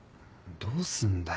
どうすんだ？